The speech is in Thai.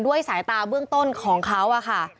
ด้วยสายตาเบื้องต้นของเค้าค่ะ